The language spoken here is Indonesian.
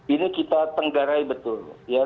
ini kita penggarai betul